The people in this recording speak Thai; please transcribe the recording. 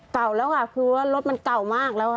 เก่าแล้วคือว่ารถมันเก่ามากแล้ว